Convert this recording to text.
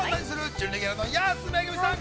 準レギュラーの安めぐみさん。